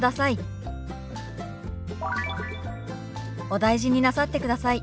「お大事になさってください」。